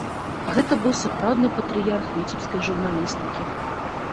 Гэта быў сапраўдны патрыярх віцебскай журналістыкі.